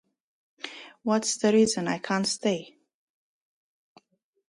What's the reason I can't say.